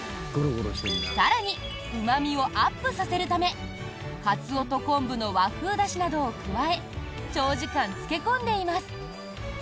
更に、うま味をアップさせるためカツオと昆布の和風だしなどを加え長時間漬け込んでいます。